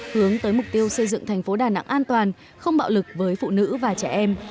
hướng tới mục tiêu xây dựng thành phố đà nẵng an toàn không bạo lực với phụ nữ và trẻ em